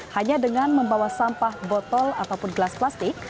hanya dengan membawa sampah botol ataupun gelas plastik